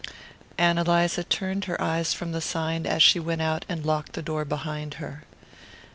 Ann Eliza turned her eyes from the sign as she went out and locked the door behind her.